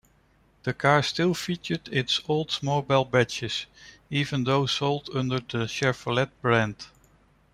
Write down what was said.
The car still featured its Oldsmobile badges even though sold under the Chevrolet brand.